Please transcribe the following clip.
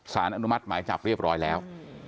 สารอนุมัติหมายจับเรียบร้อยแล้ว